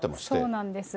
そうなんです。